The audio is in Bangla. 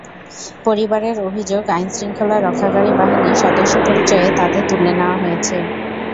পরিবারের অভিযোগ, আইনশৃঙ্খলা রক্ষাকারী বাহিনীর সদস্য পরিচয়ে তাঁদের তুলে নেওয়া হয়েছে।